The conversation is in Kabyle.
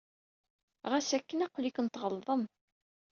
Ɣas akken, aql-iken tɣelḍem.